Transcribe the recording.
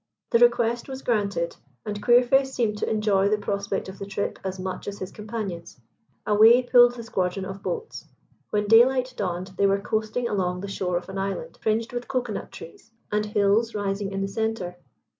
The request was granted, and Queerface seemed to enjoy the prospect of the trip as much as his companions. Away pulled the squadron of boats. When daylight dawned they were coasting along the shore of an island fringed with cocoa nut trees, and hills rising in the centre.